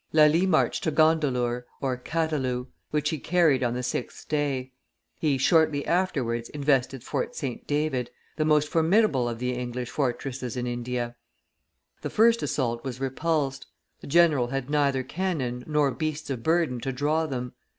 Lally marched to Gondelour (Kaddaloue), which he carried on the sixth day; he, shortly afterwards, invested Fort St. David, the most formidable of the English fortresses in India. The first assault was repulsed; the general had neither cannon nor beasts of burden to draw them.